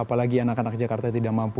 apalagi anak anak jakarta yang tidak mampu